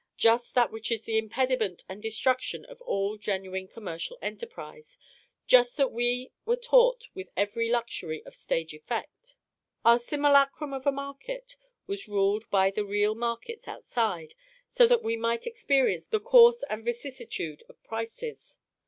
Just that which is the impediment and destruction of all genuine commercial enterprise, just that we were taught with every luxury of stage effect. Our simulacrum of a market was ruled by the real markets outside, so that we might experience the course and vicissitude of prices.